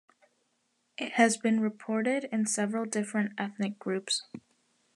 It has been reported in several different ethnic groups.